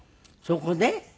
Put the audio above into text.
そこで。